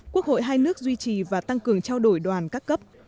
quốc hội hai nước duy trì và tăng cường trao đổi đoàn các cấp